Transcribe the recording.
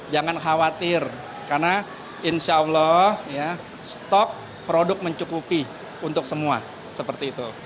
jangan khawatir karena insya allah stok produk mencukupi untuk semua seperti itu